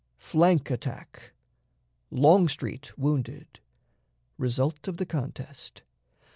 Flank Attack. Longstreet wounded. Result of the Contest.